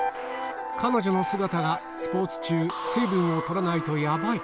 彼女の姿がスポーツ中、水分をとらないとやばい！